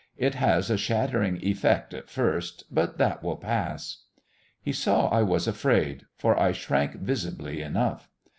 It has a shattering effect at first, but that will pass." He saw I was afraid, for I shrank visibly enough.